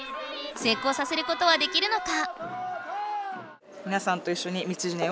成功させることはできるのか？